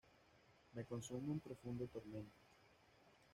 Me consume un profundo tormento.